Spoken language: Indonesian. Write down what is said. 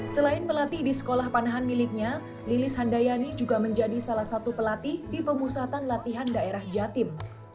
selain melatih di sekolah panahan miliknya lilis handayani juga menjadi salah satu pelatih di pemusatan latihan daerah jatim